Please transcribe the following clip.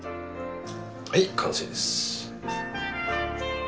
はい完成です。